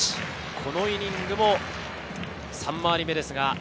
このイニングも３回り目です。